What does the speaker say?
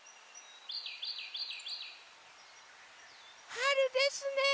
はるですね。